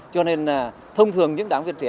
cho nên thông thường những đảng viên trẻ